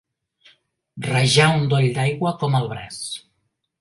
Rajar un doll d'aigua com el braç.